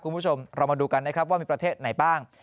คุณผู้ชมเรามาดูกันนะครับว่ามีประเทศไหนบ้าง